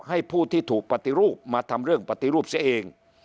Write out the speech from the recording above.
ให้ผู้ที่ถูกปฏิรูปมาทำเรื่องปฏิรูปเสียเอง